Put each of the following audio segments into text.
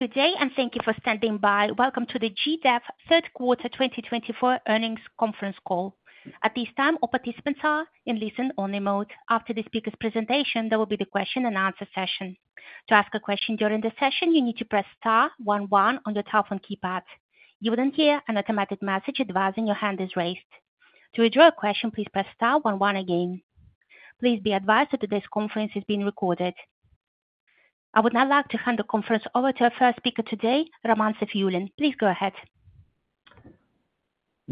Good day, and thank you for standing by. Welcome to the GDEV third quarter 2024 earnings conference call. At this time, all participants are in listen-only mode. After the speaker's presentation, there will be the question-and-answer session. To ask a question during the session, you need to press *11 on your telephone keypad. You will then hear an automatic message advising your hand is raised. To withdraw a question, please press *11 again. Please be advised that today's conference is being recorded. I would now like to hand the conference over to our first speaker today, Roman Safiyulin. Please go ahead.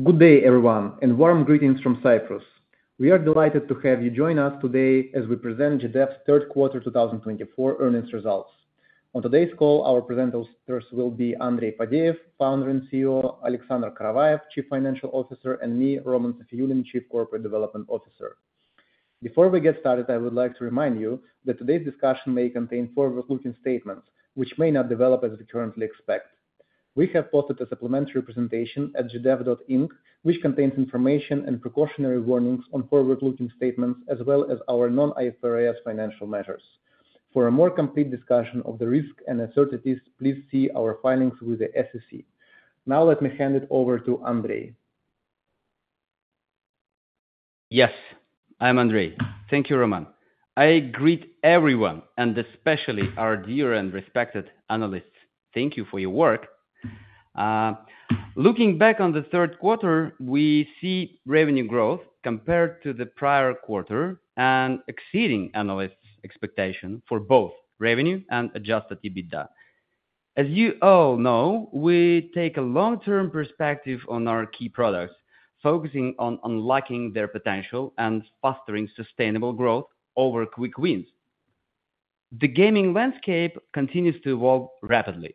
Good day, everyone, and warm greetings from Cyprus. We are delighted to have you join us today as we present GDEV's Third Quarter 2024 earnings results. On today's call, our presenters will be Andrey Fadeev, Founder and CEO, Alexander Karavaev, Chief Financial Officer, and me, Roman Safiyulin, Chief Corporate Development Officer. Before we get started, I would like to remind you that today's discussion may contain forward-looking statements, which may not develop as we currently expect. We have posted a supplementary presentation at gdev.inc, which contains information and precautionary warnings on forward-looking statements, as well as our non-IFRS financial measures. For a more complete discussion of the risks and uncertainties, please see our filings with the SEC. Now, let me hand it over to Andrey. Yes, I'm Andrey. Thank you, Roman. I greet everyone, and especially our dear and respected analysts. Thank you for your work. Looking back on the third quarter, we see revenue growth compared to the prior quarter and exceeding analysts' expectations for both revenue and adjusted EBITDA. As you all know, we take a long-term perspective on our key products, focusing on unlocking their potential and fostering sustainable growth over quick wins. The gaming landscape continues to evolve rapidly,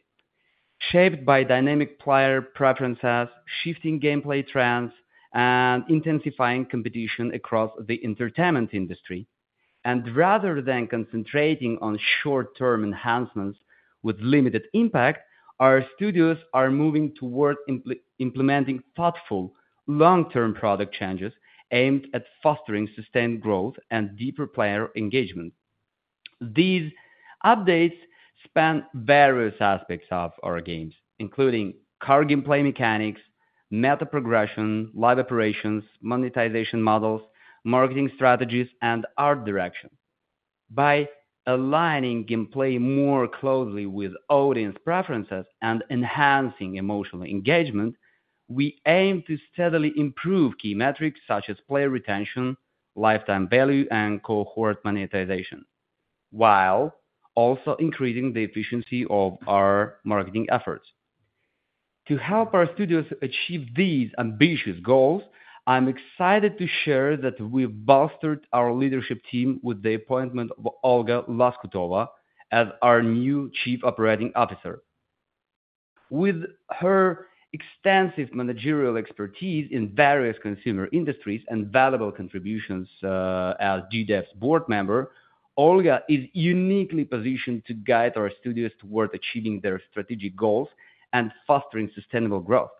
shaped by dynamic player preferences, shifting gameplay trends, and intensifying competition across the entertainment industry, and rather than concentrating on short-term enhancements with limited impact, our studios are moving toward implementing thoughtful, long-term product changes aimed at fostering sustained growth and deeper player engagement. These updates span various aspects of our games, including card gameplay mechanics, meta progression, live operations, monetization models, marketing strategies, and art direction. By aligning gameplay more closely with audience preferences and enhancing emotional engagement, we aim to steadily improve key metrics such as player retention, lifetime value, and cohort monetization, while also increasing the efficiency of our marketing efforts. To help our studios achieve these ambitious goals, I'm excited to share that we've bolstered our leadership team with the appointment of Olga Loskutova as our new Chief Operating Officer. With her extensive managerial expertise in various consumer industries and valuable contributions as GDEV's board member, Olga is uniquely positioned to guide our studios toward achieving their strategic goals and fostering sustainable growth.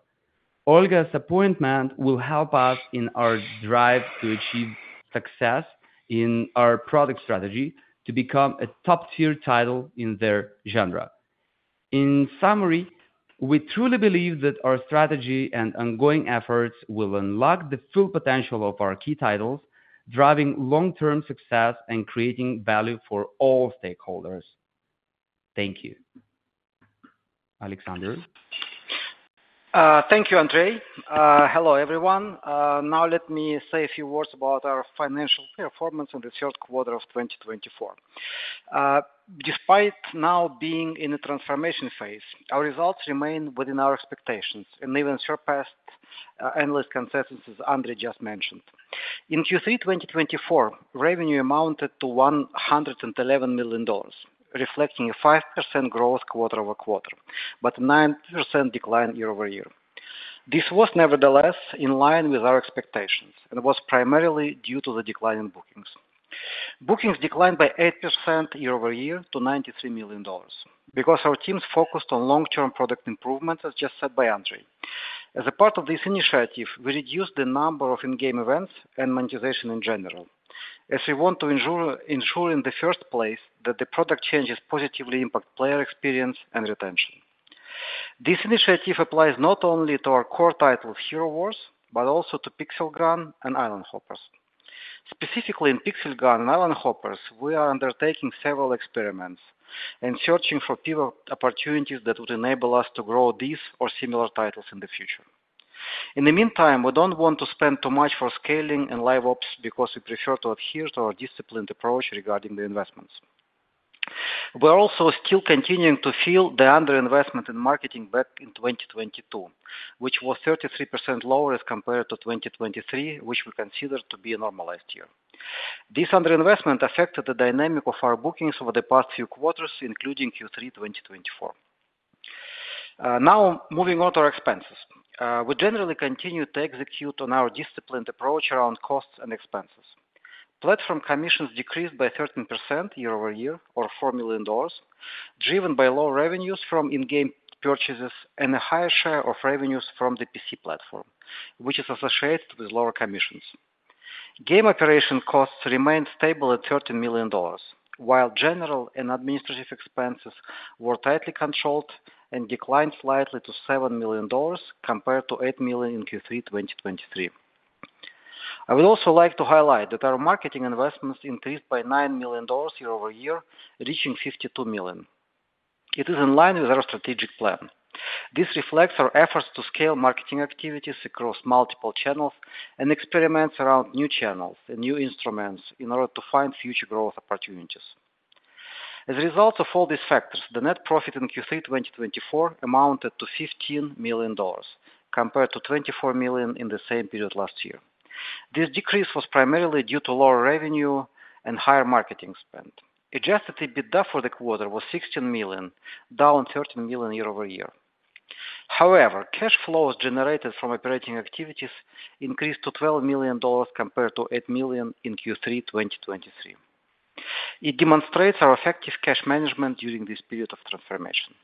Olga's appointment will help us in our drive to achieve success in our product strategy to become a top-tier title in their genre. In summary, we truly believe that our strategy and ongoing efforts will unlock the full potential of our key titles, driving long-term success and creating value for all stakeholders. Thank you. Alexander. Thank you, Andrey. Hello, everyone. Now, let me say a few words about our financial performance in the third quarter of 2024. Despite now being in a transformation phase, our results remain within our expectations and even surpassed analyst consensus Andrey just mentioned. In Q3 2024, revenue amounted to $111 million, reflecting a 5% growth quarter-over-quarter, but a 9% decline year-over-year. This was, nevertheless, in line with our expectations and was primarily due to the decline in bookings. Bookings declined by 8% year over year to $93 million because our teams focused on long-term product improvements, as just said by Andrey. As a part of this initiative, we reduced the number of in-game events and monetization in general, as we want to ensure in the first place that the product changes positively impact player experience and retention. This initiative applies not only to our core titles, Hero Wars, but also to Pixel Gun and Island Hoppers. Specifically, in Pixel Gun and Island Hoppers, we are undertaking several experiments and searching for pivot opportunities that would enable us to grow these or similar titles in the future. In the meantime, we don't want to spend too much for scaling and live-ops because we prefer to adhere to our disciplined approach regarding the investments. We are also still continuing to feel the underinvestment in marketing back in 2022, which was 33% lower as compared to 2023, which we consider to be a normalized year. This underinvestment affected the dynamic of our bookings over the past few quarters, including Q3 2024. Now, moving on to our expenses, we generally continue to execute on our disciplined approach around costs and expenses. Platform commissions decreased by 13% year-over-year, or $4 million, driven by low revenues from in-game purchases and a higher share of revenues from the PC platform, which is associated with lower commissions. Game operation costs remained stable at $13 million, while general and administrative expenses were tightly controlled and declined slightly to $7 million compared to $8 million in Q3 2023. I would also like to highlight that our marketing investments increased by $9 million year-over-year, reaching $52 million. It is in line with our strategic plan. This reflects our efforts to scale marketing activities across multiple channels and experiments around new channels and new instruments in order to find future growth opportunities. As a result of all these factors, the net profit in Q3 2024 amounted to $15 million compared to $24 million in the same period last year. This decrease was primarily due to lower revenue and higher marketing spend. Adjusted EBITDA for the quarter was $16 million, down $13 million year-over-year. However, cash flows generated from operating activities increased to $12 million compared to $8 million in Q3 2023. It demonstrates our effective cash management during this period of transformation.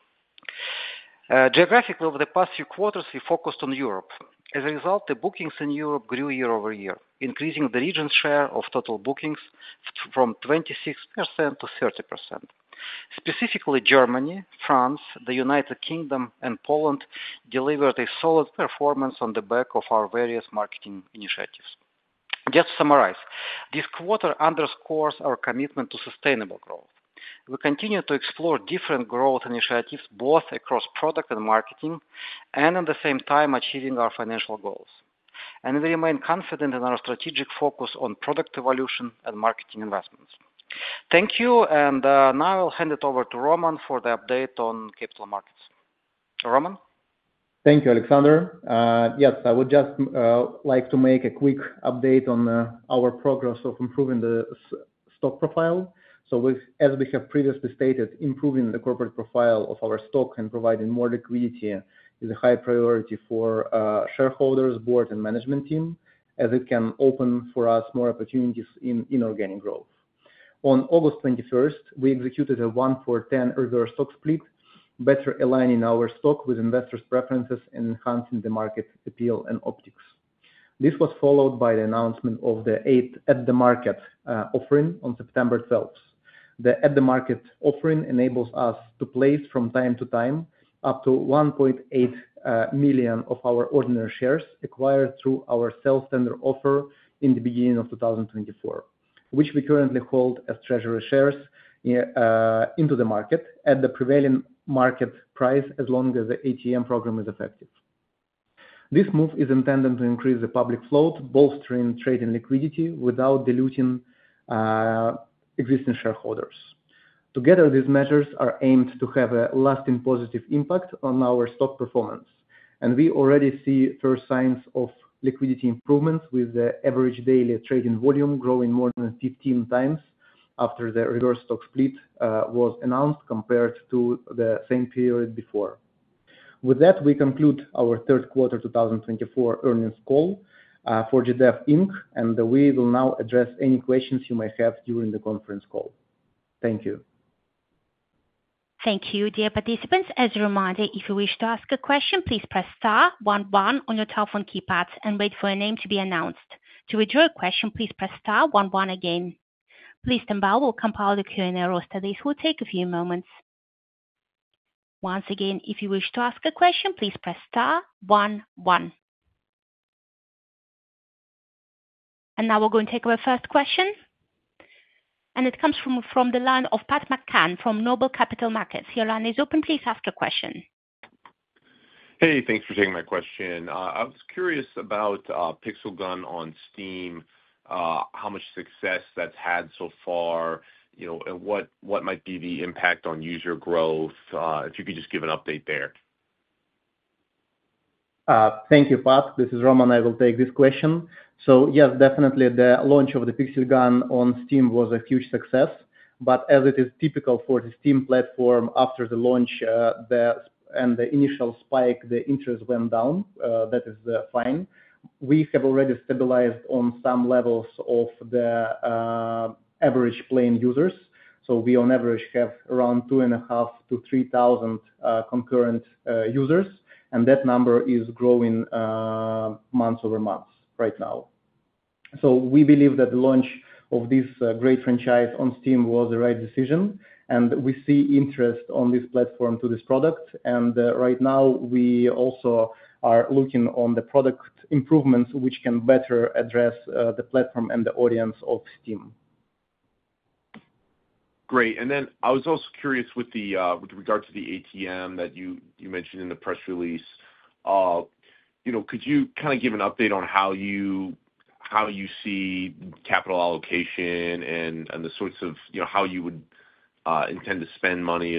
Geographically, over the past few quarters, we focused on Europe. As a result, the bookings in Europe grew year over year, increasing the region's share of total bookings from 26% to 30%. Specifically, Germany, France, the United Kingdom, and Poland delivered a solid performance on the back of our various marketing initiatives. Just to summarize, this quarter underscores our commitment to sustainable growth. We continue to explore different growth initiatives both across product and marketing and, at the same time, achieving our financial goals. We remain confident in our strategic focus on product evolution and marketing investments. Thank you. Now I'll hand it over to Roman for the update on capital markets. Roman? Thank you, Alexander. Yes, I would just like to make a quick update on our progress of improving the stock profile. So, as we have previously stated, improving the corporate profile of our stock and providing more liquidity is a high priority for shareholders, board, and management team, as it can open for us more opportunities in inorganic growth. On August 21, we executed a 1 for 10 reverse stock split, better aligning our stock with investors' preferences and enhancing the market appeal and optics. This was followed by the announcement of the eighth at-the-market offering on September 12. The at-the-market offering enables us to place from time to time up to 1.8 million of our ordinary shares acquired through our self-tender offer in the beginning of 2024, which we currently hold as treasury shares into the market at the prevailing market price as long as the ATM program is effective. This move is intended to increase the public float, bolstering trading liquidity without diluting existing shareholders. Together, these measures are aimed to have a lasting positive impact on our stock performance, and we already see first signs of liquidity improvements, with the average daily trading volume growing more than 15 times after the reverse stock split was announced compared to the same period before. With that, we conclude our third quarter 2024 earnings call for GDEV, Inc, and we will now address any questions you may have during the conference call. Thank you. Thank you, dear participants. As a reminder, if you wish to ask a question, please press *11 on your telephone keypad and wait for a name to be announced. To withdraw a question, please press *11 again. Please stand by while we compile the Q&A roster. This will take a few moments. Once again, if you wish to ask a question, please press *11. And now we're going to take our first question. And it comes from the line of Pat McCann from Noble Capital Markets. Your line is open. Please ask a question. Hey, thanks for taking my question. I was curious about Pixel Gun on Steam, how much success that's had so far, and what might be the impact on user growth, if you could just give an update there. Thank you, Pat. This is Roman. I will take this question. So, yes, definitely, the launch of the Pixel Gun on Steam was a huge success. But as it is typical for the Steam platform, after the launch and the initial spike, the interest went down. That is fine. We have already stabilized on some levels of the average playing users. So we, on average, have around 2,500-3,000 concurrent users. And that number is growing month over month right now. So we believe that the launch of this great franchise on Steam was the right decision. And we see interest on this platform to this product. And right now, we also are looking on the product improvements, which can better address the platform and the audience of Steam. Great. And then I was also curious with regard to the ATM that you mentioned in the press release. Could you kind of give an update on how you see capital allocation and the sorts of how you would intend to spend money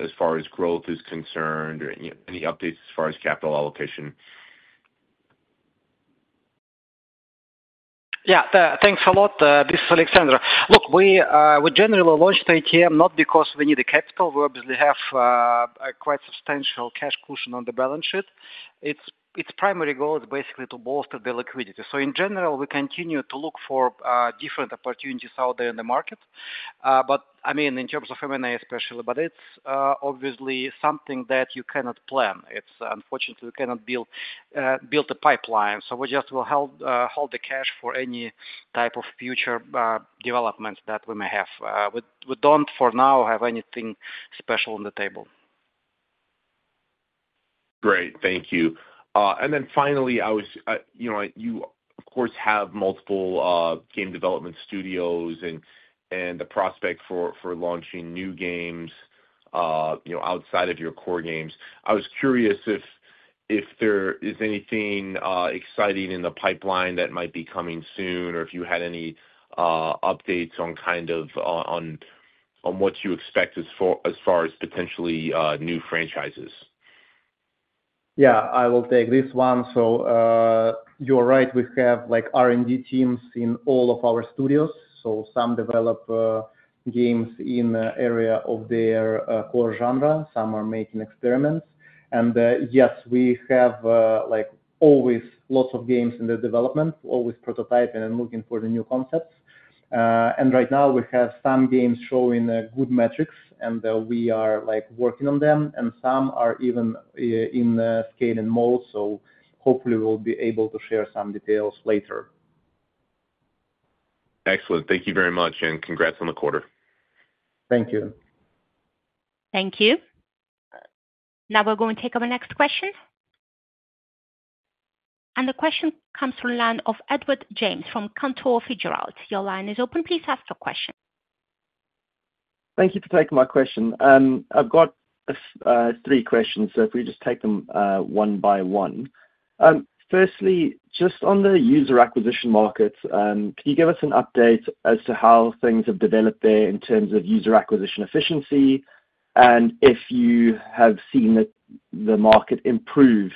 as far as growth is concerned or any updates as far as capital allocation? Yeah, thanks a lot. This is Alexander. Look, we generally launched the ATM not because we need the capital. We obviously have quite substantial cash cushion on the balance sheet. Its primary goal is basically to bolster the liquidity. So, in general, we continue to look for different opportunities out there in the market. But I mean, in terms of M&A, especially, but it's obviously something that you cannot plan. Unfortunately, we cannot build a pipeline. So we just will hold the cash for any type of future developments that we may have. We don't, for now, have anything special on the table. Great. Thank you. And then finally, you, of course, have multiple game development studios and the prospect for launching new games outside of your core games. I was curious if there is anything exciting in the pipeline that might be coming soon or if you had any updates on kind of on what you expect as far as potentially new franchises? Yeah, I will take this one. So you're right. We have R&D teams in all of our studios. So some develop games in the area of their core genre. Some are making experiments. And yes, we have always lots of games in the development, always prototyping and looking for the new concepts. And right now, we have some games showing good metrics, and we are working on them. And some are even in scaling mode. So hopefully, we'll be able to share some details later. Excellent. Thank you very much. Congrats on the quarter. Thank you. Thank you. Now we're going to take our next question. And the question comes from the line of Edward James from Cantor Fitzgerald. Your line is open. Please ask your question. Thank you for taking my question. I've got three questions, so if we just take them one by one. Firstly, just on the user acquisition market, can you give us an update as to how things have developed there in terms of user acquisition efficiency and if you have seen the market improve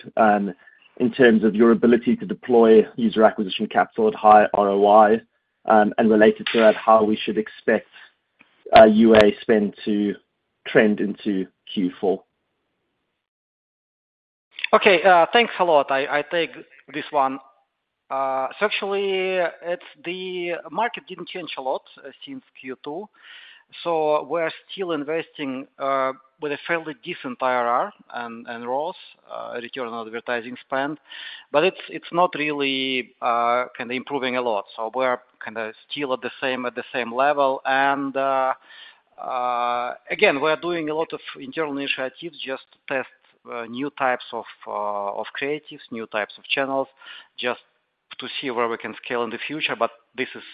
in terms of your ability to deploy user acquisition capital at high ROI? And related to that, how we should expect UA spend to trend into Q4? Okay. Thanks a lot. I take this one. So actually, the market didn't change a lot since Q2. So we're still investing with a fairly decent IRR and ROAS, return on advertising spend. But it's not really kind of improving a lot. So we're kind of still at the same level. And again, we're doing a lot of internal initiatives just to test new types of creatives, new types of channels, just to see where we can scale in the future. But this is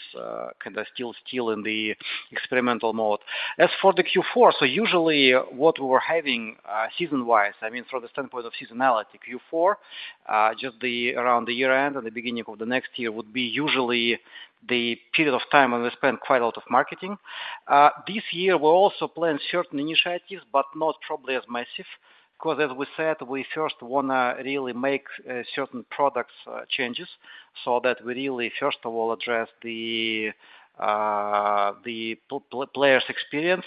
kind of still in the experimental mode. As for the Q4, so usually what we were having season-wise, I mean, from the standpoint of seasonality, Q4, just around the year-end and the beginning of the next year would be usually the period of time when we spend quite a lot of marketing. This year, we're also planning certain initiatives, but not probably as massive because, as we said, we first want to really make certain product changes so that we really, first of all, address the players' experience.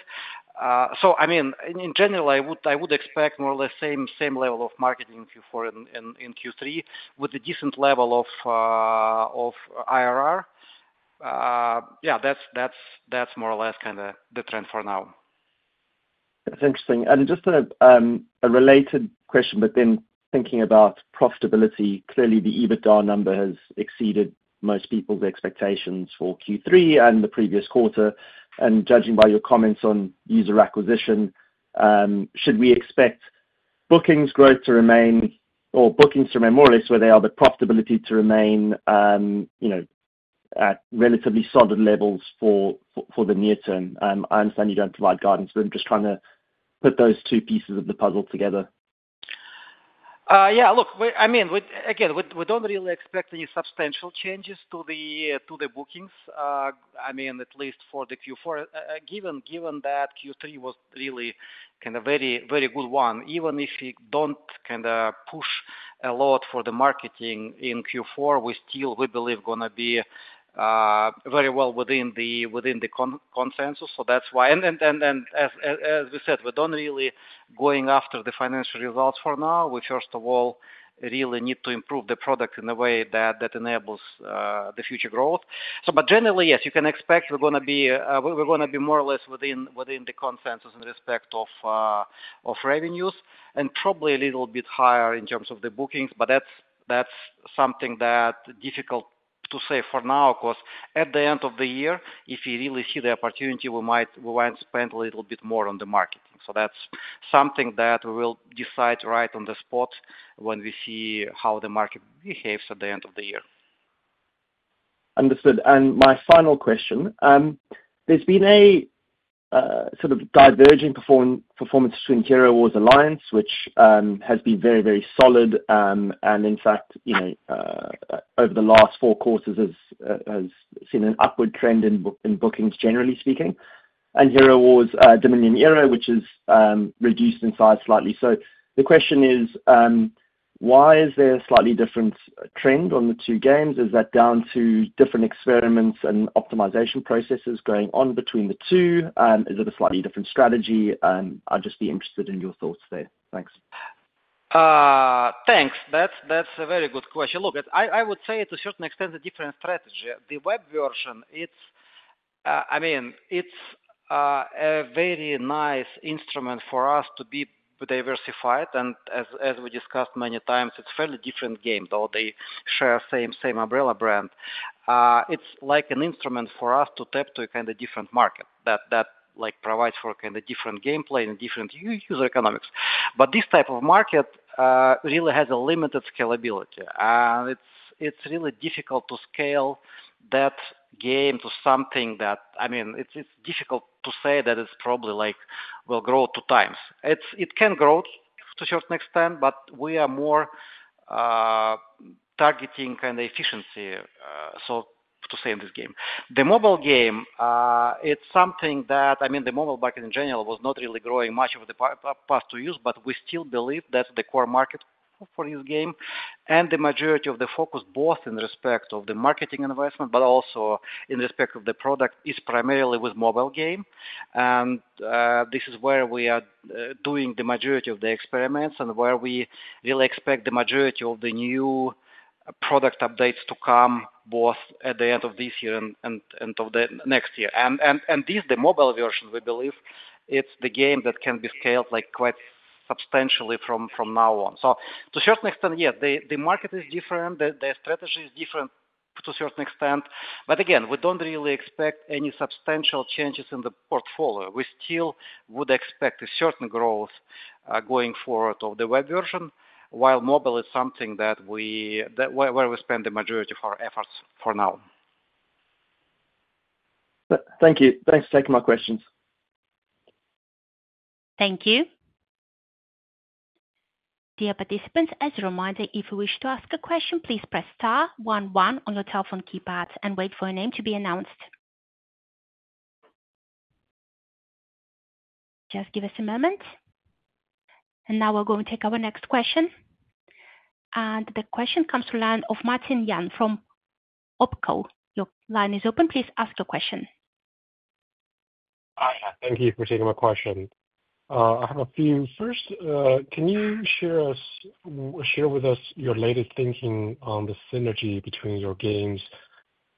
So I mean, in general, I would expect more or less same level of marketing in Q4 and in Q3 with a decent level of IRR. Yeah, that's more or less kind of the trend for now. That's interesting, and just a related question, but then thinking about profitability, clearly the EBITDA number has exceeded most people's expectations for Q3 and the previous quarter, and judging by your comments on user acquisition, should we expect bookings growth to remain or bookings to remain more or less where they are, but profitability to remain at relatively solid levels for the near term? I understand you don't provide guidance, but I'm just trying to put those two pieces of the puzzle together. Yeah. Look, I mean, again, we don't really expect any substantial changes to the bookings, I mean, at least for the Q4. Given that Q3 was really kind of a very good one, even if we don't kind of push a lot for the marketing in Q4, we still, we believe, are going to be very well within the consensus. So that's why. And as we said, we're not really going after the financial results for now. We, first of all, really need to improve the product in a way that enables the future growth. But generally, yes, you can expect we're going to be more or less within the consensus in respect of revenues and probably a little bit higher in terms of the bookings. But that's something that's difficult to say for now because at the end of the year, if we really see the opportunity, we might spend a little bit more on the marketing. So that's something that we will decide right on the spot when we see how the market behaves at the end of the year. Understood, and my final question. There's been a sort of diverging performance between Hero Wars Alliance, which has been very, very solid, and in fact, over the last four quarters, has seen an upward trend in bookings, generally speaking, and Hero Wars Dominion Era, which has reduced in size slightly, so the question is, why is there a slightly different trend on the two games? Is that down to different experiments and optimization processes going on between the two? Is it a slightly different strategy? I'd just be interested in your thoughts there. Thanks. Thanks. That's a very good question. Look, I would say to a certain extent a different strategy. The web version, I mean, it's a very nice instrument for us to be diversified. And as we discussed many times, it's a fairly different game, though they share the same umbrella brand. It's like an instrument for us to tap to a kind of different market that provides for a kind of different gameplay and different user economics. But this type of market really has a limited scalability. And it's really difficult to scale that game to something that, I mean, it's difficult to say that it's probably will grow two times. It can grow to a certain extent, but we are more targeting kind of efficiency, so to say, in this game. The mobile game, it's something that, I mean, the mobile market in general was not really growing much over the past two years, but we still believe that's the core market for this game, and the majority of the focus, both in respect of the marketing investment, but also in respect of the product, is primarily with mobile game, and this is where we are doing the majority of the experiments and where we will expect the majority of the new product updates to come both at the end of this year and of the next year, and this, the mobile version, we believe, it's the game that can be scaled quite substantially from now on, so to a certain extent, yes, the market is different. The strategy is different to a certain extent, but again, we don't really expect any substantial changes in the portfolio. We still would expect a certain growth going forward of the web version, while mobile is something where we spend the majority of our efforts for now. Thank you. Thanks for taking my questions. Thank you. Dear participants, as a reminder, if you wish to ask a question, please press *11 on your telephone keypad and wait for your name to be announced. Just give us a moment. And now we're going to take our next question. And the question comes from the line of Martin Yang from Opco. Your line is open. Please ask your question. Hi. Thank you for taking my question. I have a few. First, can you share with us your latest thinking on the synergy between your games?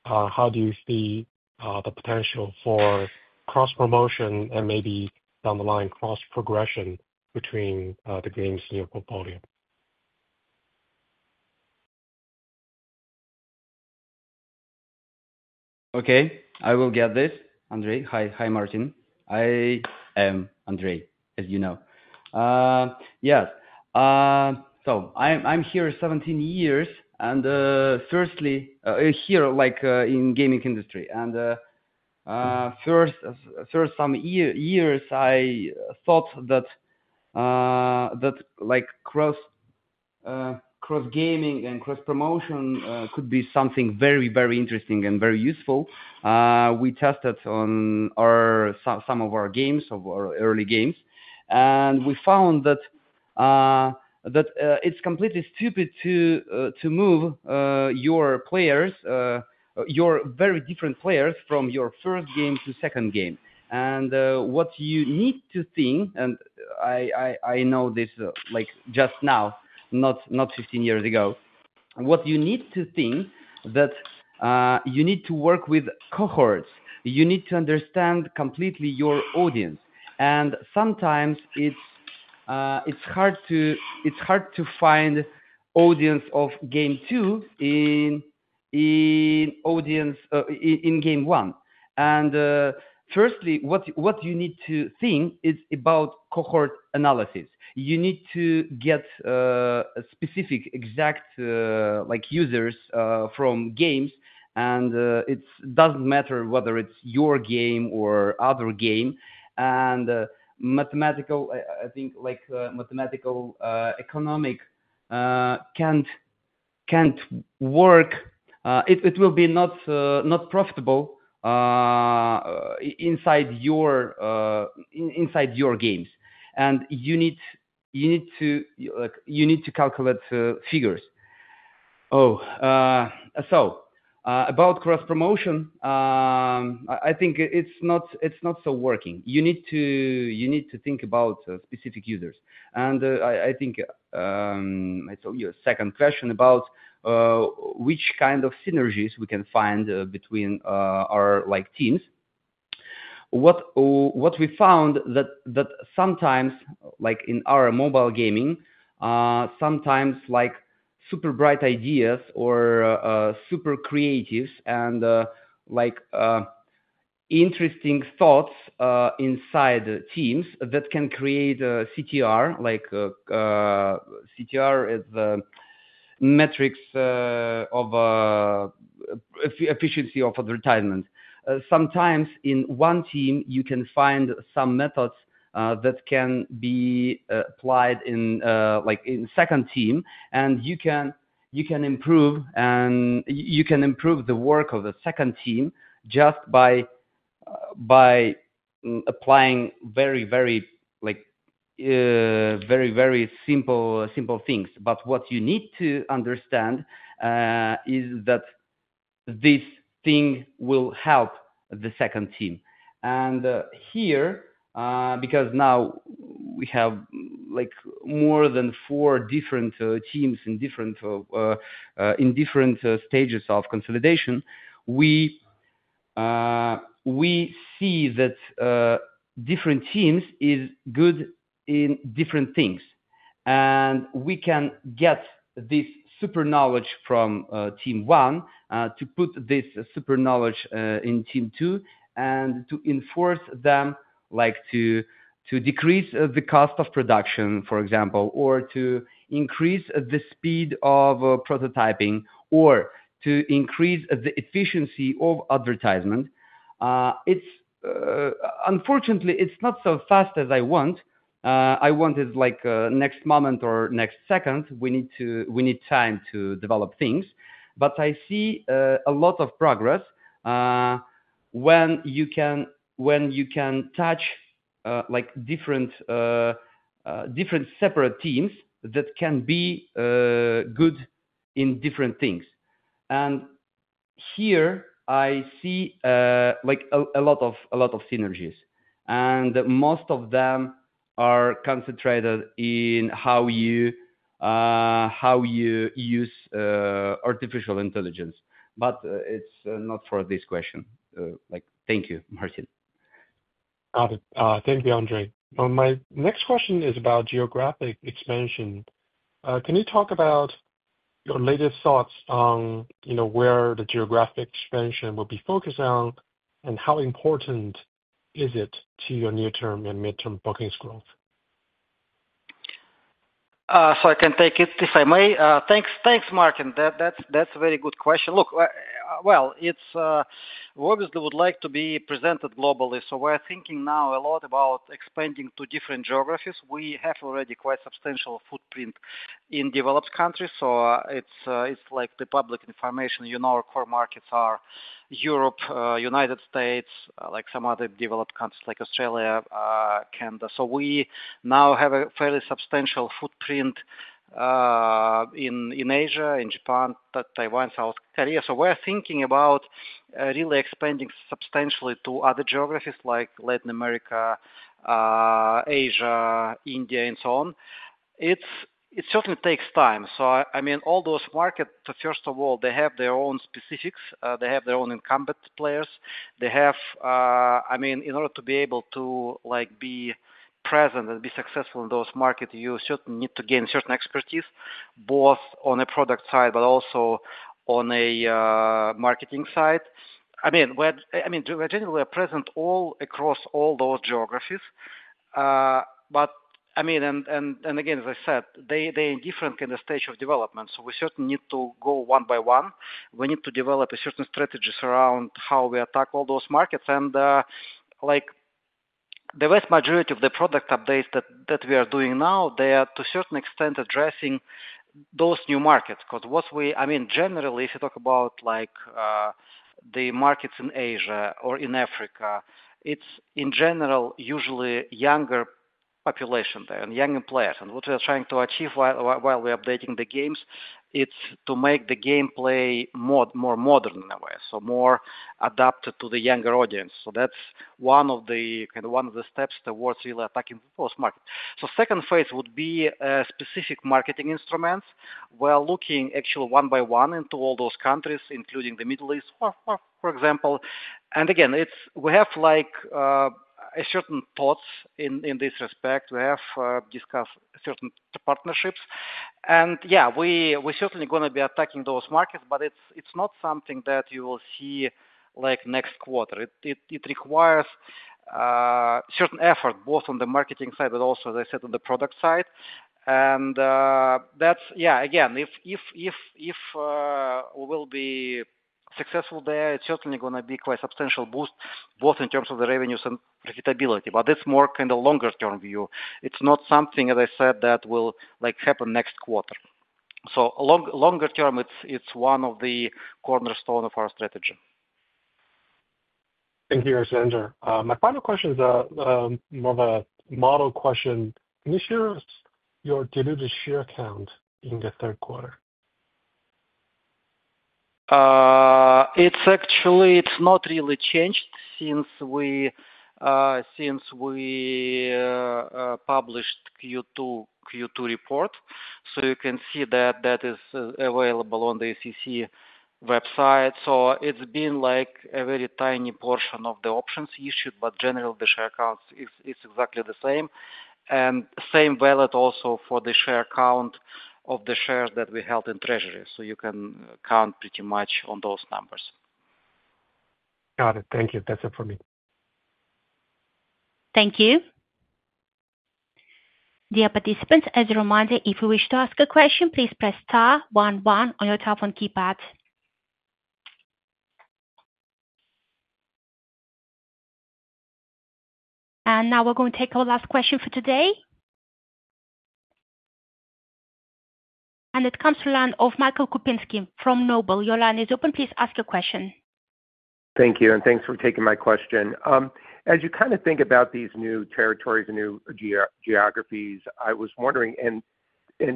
How do you see the potential for cross-promotion and maybe down the line cross-progression between the games in your portfolio? Okay. I will get this, Andrey. Hi, Martin. I am Andrey, as you know. Yes. So I'm here 17 years. And firstly, here in the gaming industry. And first, some years, I thought that cross-gaming and cross-promotion could be something very, very interesting and very useful. We tested on some of our games, of our early games. And we found that it's completely stupid to move your players, your very different players from your first game to second game. And what you need to think, and I know this just now, not 15 years ago, what you need to think that you need to work with cohorts. You need to understand completely your audience. And sometimes it's hard to find audience of game two in game one. And firstly, what you need to think is about cohort analysis. You need to get specific, exact users from games. And it doesn't matter whether it's your game or other game. And mathematical, I think, like mathematical economics can't work. It will be not profitable inside your games. And you need to calculate figures. Oh, so about cross-promotion, I think it's not so working. You need to think about specific users. And I think it's your second question about which kind of synergies we can find between our teams. What we found that sometimes, like in our mobile gaming, sometimes super bright ideas or super creatives and interesting thoughts inside teams that can create CTR, like CTR is the metrics of efficiency of advertisement. Sometimes in one team, you can find some methods that can be applied in a second team. And you can improve the work of the second team just by applying very, very simple things. But what you need to understand is that this thing will help the second team. And here, because now we have more than four different teams in different stages of consolidation, we see that different teams are good in different things. And we can get this super knowledge from team one to put this super knowledge in team two and to enforce them, like to decrease the cost of production, for example, or to increase the speed of prototyping or to increase the efficiency of advertisement. Unfortunately, it's not so fast as I want. I want it like next moment or next second. We need time to develop things. But I see a lot of progress when you can touch different separate teams that can be good in different things. And here, I see a lot of synergies. And most of them are concentrated in how you use artificial intelligence. But it's not for this question. Thank you, Martin. Got it. Thank you, Andrey. My next question is about geographic expansion. Can you talk about your latest thoughts on where the geographic expansion will be focused on and how important is it to your near-term and mid-term bookings growth? So I can take it if I may. Thanks, Martin. That's a very good question. Look, well, we obviously would like to be present globally. So we're thinking now a lot about expanding to different geographies. We have already quite a substantial footprint in developed countries. So it's like the public information. Our core markets are Europe, United States, like some other developed countries like Australia, Canada. So we now have a fairly substantial footprint in Asia, in Japan, Taiwan, South Korea. So we're thinking about really expanding substantially to other geographies like Latin America, Asia, India, and so on. It certainly takes time. So I mean, all those markets, first of all, they have their own specifics. They have their own incumbent players. I mean, in order to be able to be present and be successful in those markets, you certainly need to gain certain expertise both on a product side but also on a marketing side. I mean, we're generally present all across all those geographies. But I mean, and again, as I said, they're in different kind of stages of development. So we certainly need to go one by one. We need to develop a certain strategy around how we attack all those markets. And the vast majority of the product updates that we are doing now, they are to a certain extent addressing those new markets. Because what we, I mean, generally, if you talk about the markets in Asia or in Africa, it's in general, usually younger population there and younger players. What we are trying to achieve while we're updating the games is to make the gameplay more modern in a way, so more adapted to the younger audience. That's one of the kind of steps towards really attacking those markets. The second phase would be specific marketing instruments. We're looking actually one by one into all those countries, including the Middle East, for example. Again, we have certain thoughts in this respect. We have discussed certain partnerships. Yeah, we're certainly going to be attacking those markets, but it's not something that you will see next quarter. It requires certain effort both on the marketing side but also, as I said, on the product side. Yeah, again, if we will be successful there, it's certainly going to be quite a substantial boost both in terms of the revenues and profitability. But that's more kind of longer-term view. It's not something, as I said, that will happen next quarter. So longer-term, it's one of the cornerstones of our strategy. Thank you, Alexander. My final question is more of a model question. Can you share your diluted share count in the third quarter? It's actually not really changed since we published the Q2 report. So you can see that that is available on the SEC website. So it's been like a very tiny portion of the options issued, but generally, the share counts is exactly the same. And same valid also for the share count of the shares that we held in treasury. So you can count pretty much on those numbers. Got it. Thank you. That's it for me. Thank you. Dear participants, as a reminder, if you wish to ask a question, please press *11 on your telephone keypad. And now we're going to take our last question for today. And it comes from the line of Michael Kupinski from Noble. Your line is open. Please ask your question. Thank you and thanks for taking my question. As you kind of think about these new territories and new geographies, I was wondering, and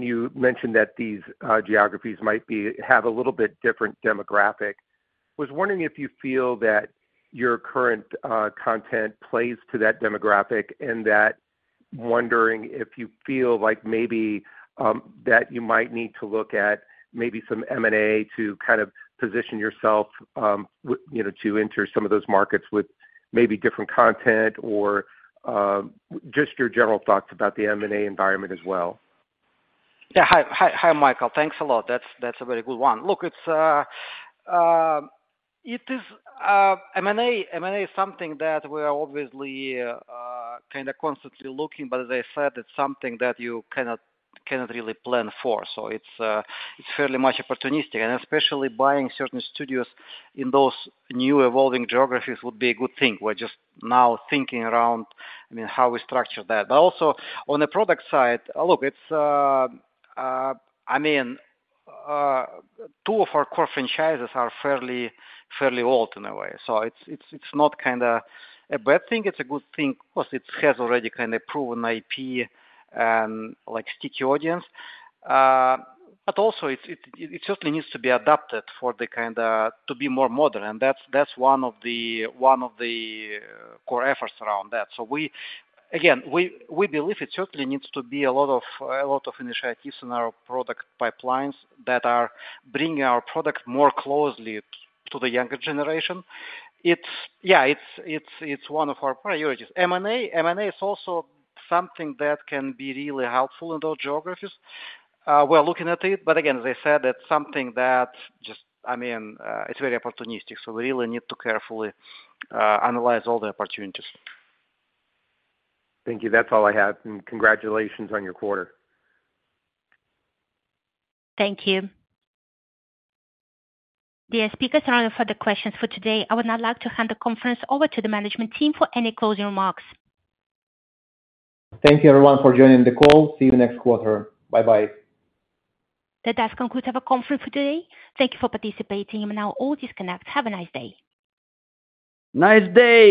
you mentioned that these geographies might have a little bit different demographic. I was wondering if you feel that your current content plays to that demographic and wondering if you feel like maybe that you might need to look at maybe some M&A to kind of position yourself to enter some of those markets with maybe different content or just your general thoughts about the M&A environment as well? Yeah. Hi, Michael. Thanks a lot. That's a very good one. Look, M&A is something that we are obviously kind of constantly looking. But as I said, it's something that you cannot really plan for. So it's fairly much opportunistic. And especially buying certain studios in those new evolving geographies would be a good thing. We're just now thinking around, I mean, how we structure that. But also on the product side, look, I mean, two of our core franchises are fairly old in a way. So it's not kind of a bad thing. It's a good thing because it has already kind of proven IP and sticky audience. But also, it certainly needs to be adapted for the kind of to be more modern. And that's one of the core efforts around that. So again, we believe it certainly needs to be a lot of initiatives in our product pipelines that are bringing our product more closely to the younger generation. Yeah, it's one of our priorities. M&A is also something that can be really helpful in those geographies. We're looking at it. But again, as I said, it's something that just, I mean, it's very opportunistic. So we really need to carefully analyze all the opportunities. Thank you. That's all I have. And congratulations on your quarter. Thank you. Dear speakers, there are no further questions for today. I would now like to hand the conference over to the management team for any closing remarks. Thank you, everyone, for joining the call. See you next quarter. Bye-bye. That does conclude our conference for today. Thank you for participating. You may now all disconnect. Have a nice day. Nice day.